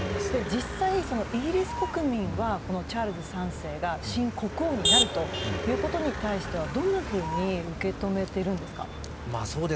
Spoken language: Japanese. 実際、イギリス国民はチャールズ３世が新国王になるということに対してどんなふうに受け止めているんですか。